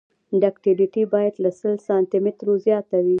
ډکټیلیټي باید له سل سانتي مترو زیاته وي